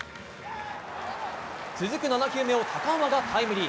続く７球目を高濱がタイムリー。